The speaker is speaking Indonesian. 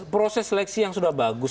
proses seleksi yang sudah bagus